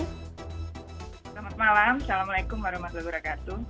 selamat malam assalamualaikum warahmatullahi wabarakatuh